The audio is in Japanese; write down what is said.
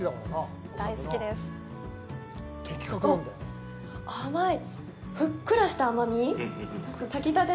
あっ、甘い。